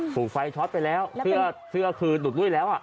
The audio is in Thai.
ถูกไฟช็อตไปแล้วเสื้อคือหลุดลุ้ยแล้ว